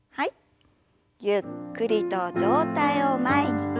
ゆっくりと上体を前に。